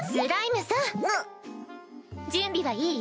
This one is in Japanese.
準備はいい？